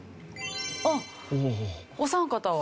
あっお三方は。